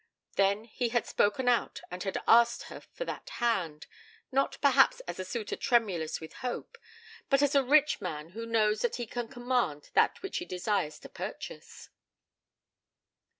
Then he had spoken out and had asked for that hand, not, perhaps, as a suitor tremulous with hope, but as a rich man who knows that he can command that which he desires to purchase.